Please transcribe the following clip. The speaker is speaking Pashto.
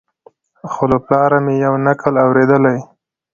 خو له پلاره مي یو نکل اورېدلی